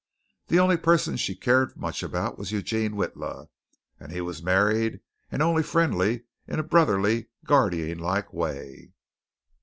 The only person she cared much about was Eugene Witla, and he was married and only friendly in a brotherly, guardian like way.